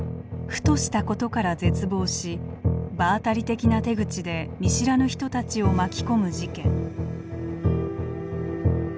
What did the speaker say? ふとしたことから絶望し場当たり的な手口で見知らぬ人たちを巻き込む事件。